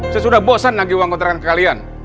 saya sudah bosan nagih uang kontrakan ke kalian